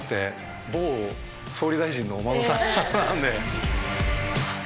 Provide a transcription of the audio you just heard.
某総理大臣のお孫さんなんで。